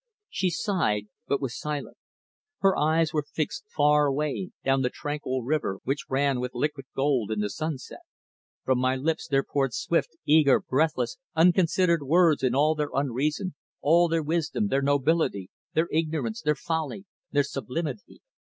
She sighed, but was silent. Her eyes were fixed far away down the tranquil river which ran with liquid gold in the sunset. From my lips there poured swift, eager, breathless, unconsidered words in all their unreason, all their wisdom, their nobility, their ignorance, their folly, their sublimity.